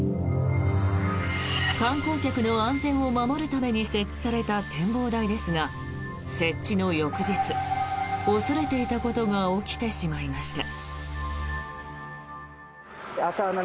観光客の安全を守るために設置された展望台ですが設置の翌日、恐れていたことが起きてしまいました。